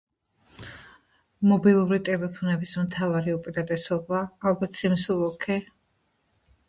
მობილური ტელეფონების მთავარი უპირატესობა ალბათ სიმსუბუქე.